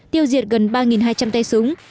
tiêu diệt gần ba hai trăm linh tay súng